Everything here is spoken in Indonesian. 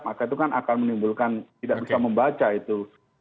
maka itu kan akan menimbulkan tidak bisa membaca itu